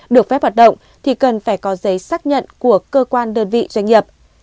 được phép hoạt động thì cần phải có giấy xác nhận của cơ quan đơn vị doanh nghiệp